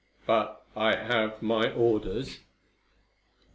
But I have my orders."